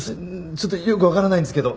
ちょっとよくわからないんですけど。